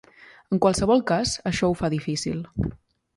En qualsevol cas, això ho fa difícil.